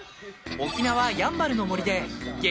沖縄やんばるの森で激